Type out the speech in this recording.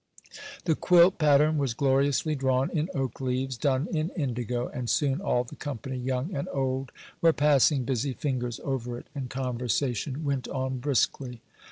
The quilt pattern was gloriously drawn in oak leaves, done in indigo; and soon all the company, young and old, were passing busy fingers over it; and conversation went on briskly.